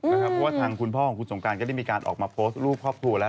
เพราะว่าทางคุณพ่อของคุณสงการก็ได้มีการออกมาโพสต์รูปครอบครัวแล้ว